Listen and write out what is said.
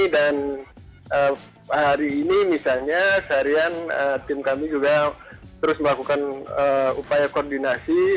dan hari ini misalnya seharian tim kami juga terus melakukan upaya koordinasi